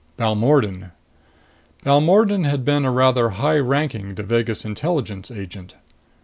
Balmordan: Balmordan had been a rather high ranking Devagas Intelligence agent.